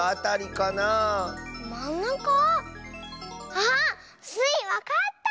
あっスイわかった！